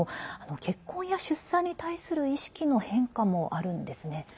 結婚や出産に対する意識の変化もあるんですね。